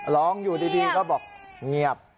ร้องอยู่ดีก็บอกเงียบ